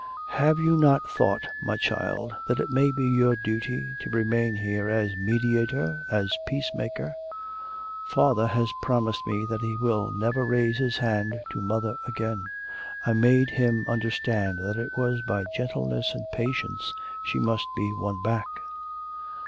'Have you not thought, my child, that it may be your duty to remain here as mediator, as peace maker?' 'Father has promised me that he will never raise his hand to mother again. I made him understand that it was by gentleness and patience she must be won back.'